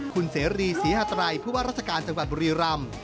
คุณเสรีศรีฮาไตรผู้ว่าราชการจังหวัดบุรีรำ